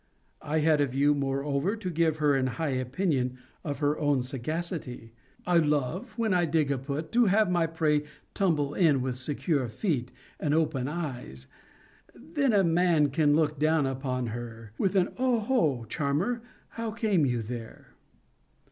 I had a view, moreover, to give her an high opinion of her own sagacity. I love, when I dig a put, to have my prey tumble in with secure feet, and open eyes: then a man can look down upon her, with an O ho, charmer, how came you there?